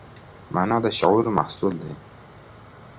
مانا د شعور محصول دی.